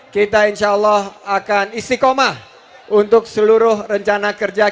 kita insya allah akan istiqomah untuk seluruh rencana kerja